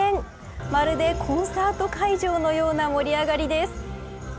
まるでコンサート会場のような盛り上がりです。